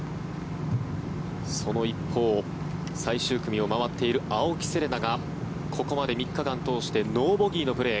その一方、最終組を回っている青木瀬令奈がここまで３日間通してノーボギーのプレー。